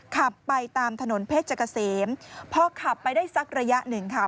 ขับไปตามถนนเพชรเกษมพอขับไปได้สักระยะหนึ่งค่ะ